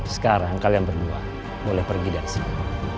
sekarang kalian berdua boleh pergi dari sini